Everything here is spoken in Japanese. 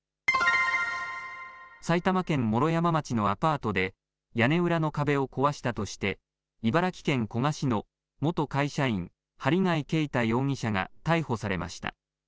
埼玉県毛呂山町のアパートで屋根裏の壁を壊したとして茨城県古河市の元会社員、針谷啓太容疑者が逮捕されました。